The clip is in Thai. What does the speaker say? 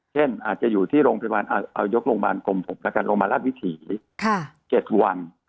เช่นอาจจะอยู่ที่โรงพยาบาลเอายกโรงพยาบาลกรมผมแล้วกันโรงพยาบาลราชวิถี๗วัน